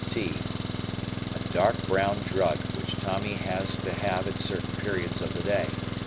Tea. A dark brown drug, which Tommy has to have at certain periods of the day.